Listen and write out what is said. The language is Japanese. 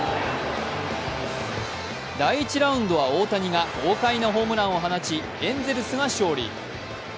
第１ラウンドは大谷が豪快なホームランを放ちエンゼルスが勝利。